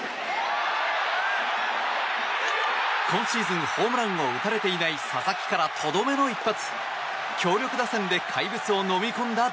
今シーズンホームランを打たれていない佐々木からとどめの一発。